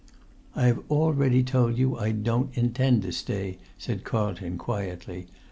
"I have already told you I don't intend to stay," said Carlton quietly.